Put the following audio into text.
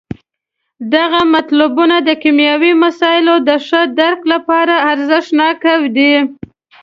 دغه مطلبونه د کیمیاوي مسایلو د ښه درک لپاره ارزښت ناکه دي.